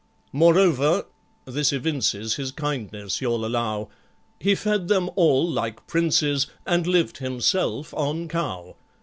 Moreover,—this evinces His kindness, you'll allow,— He fed them all like princes, And lived himself on cow.